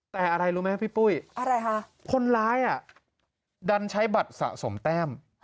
แต่อะไรรู้มั้ยพี่ปุ้ยคนร้ายอ่ะดันใช้บัตรสะสมแต้ม